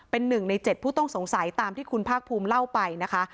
เป็น๑ใน๗ผู้ต้องสงสัยตามที่คุณภาคภูมิเล่าไปนะคะ